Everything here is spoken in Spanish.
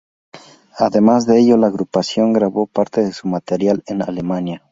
Además de ello, la agrupación grabó parte de su material en Alemania.